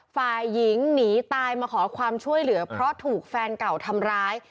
ฝ่ายหญิงหนีตายมาขอความช่วยเหลือเพราะถูกแฟนเก่าทำร้าย